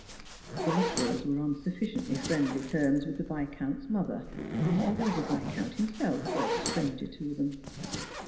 The Luttrells were on sufficiently friendly terms with the Viscount's mother, although the Viscount himself was a stranger to them.